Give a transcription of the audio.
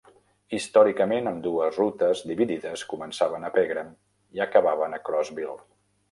Històricament, ambdues rutes dividides començaven a Pegram i acabaven a Crossville.